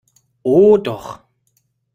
Oh doch!